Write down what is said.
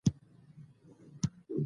د غشو بڼو خاونده ده